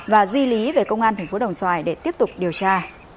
và di lý về công an tp đồng xoài để tiếp tục điều tra